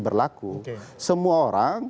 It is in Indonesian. berlaku semua orang